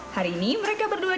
hari ini mereka berdampak